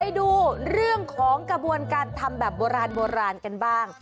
ไปดูเรื่องของกระบวนการทำแบบโบราณโบราณกันบ้าง